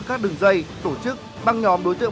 các đường dây tổ chức băng nhóm đối tượng